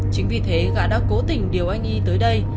chính vì thế gã đã cố tình điều anh y tới đây